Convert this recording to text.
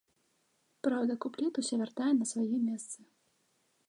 Праўда, куплет усё вяртае на свае месцы.